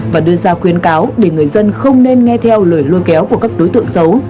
và đưa ra khuyến cáo để người dân không nên nghe theo lời lôi kéo của các đối tượng xấu